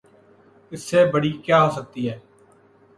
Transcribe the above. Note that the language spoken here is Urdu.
اس سے بڑی کیا ہو سکتی ہے؟